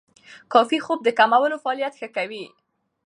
کافي خوب د کولمو فعالیت ښه کوي.